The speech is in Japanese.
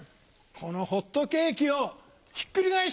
このホットケーキをひっくり返して！